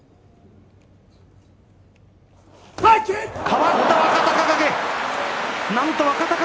かわった、若隆景。